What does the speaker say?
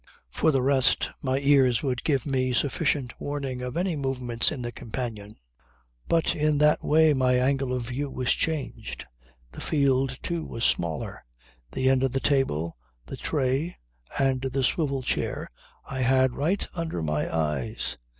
For the rest my ears would give me sufficient warning of any movements in the companion. "But in that way my angle of view was changed. The field too was smaller. The end of the table, the tray and the swivel chair I had right under my eyes.